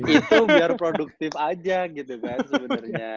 itu biar produktif aja gitu kan sebenarnya